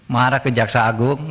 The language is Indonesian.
marah ke jaksa agung